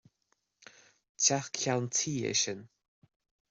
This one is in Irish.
Teach ceann tuí é sin.